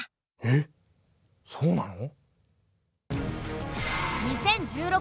えそうなの？